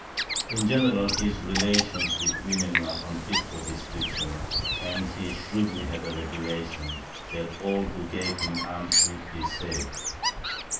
In general his relations with women are unfit for description, and he shrewdly had a revelation that all who gave him alms would be saved.